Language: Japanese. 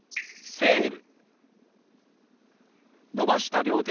「セール」。